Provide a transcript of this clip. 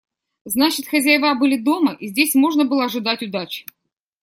Значит, хозяева были дома и здесь можно было ожидать удачи.